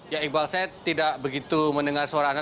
ya iqbal saya tidak begitu mendengar suara anda